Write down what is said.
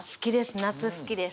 夏好きです。